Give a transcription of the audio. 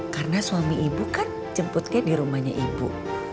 karena suami ibu kan jemputnya di rumahnya ibu